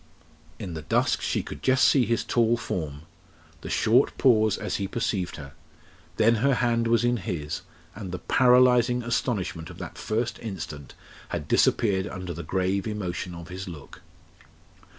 In the dusk she could just see his tall form the short pause as he perceived her then her hand was in his, and the paralysing astonishment of that first instant had disappeared under the grave emotion of his look.